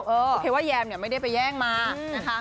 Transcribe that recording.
อย่างเคยว่าแยมไม่ได้ไปแย่งมานะคะ